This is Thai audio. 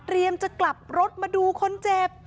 เตรียมจะกลับรถมาดูคนเจ็บ